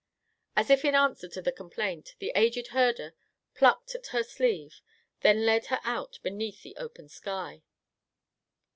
As if in answer to the complaint, the aged herder plucked at her sleeve, then led her out beneath the open sky.